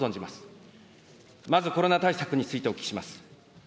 まずコロナ対策についてお聞きします。